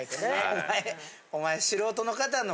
お前お前。